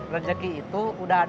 rezeki itu udah ada di rumah saya